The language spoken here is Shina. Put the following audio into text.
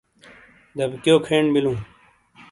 دابکِیو کھین بلوں ۔